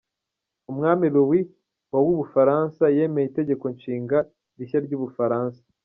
Umwami Louis wa w’ubufaransa yemeye itegeko nshinga rishya ry’ubufaransa.